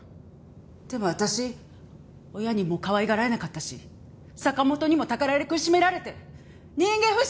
でも私親にもかわいがられなかったし坂本にもたかられ苦しめられて人間不信になってた。